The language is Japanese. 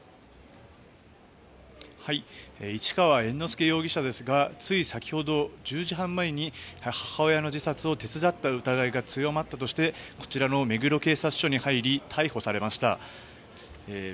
市川猿之助容疑者ですがつい先ほど、１０時半前に母親の自殺を手伝った疑いが強まったとしてこちらの目黒警察署に入り逮捕されました。